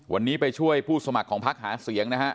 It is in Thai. วันนี้ไปช่วยผู้สมัครของพักหาเสียงนะฮะ